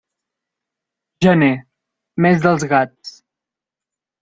Gener, mes dels gats.